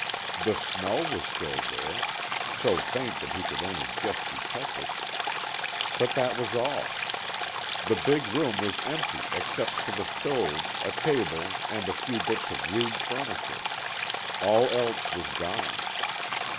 The SMELL was still there so faint that he could only just detect it. But that was all. The big room was empty except for the stove, a table and a few bits of rude furniture. All else was gone.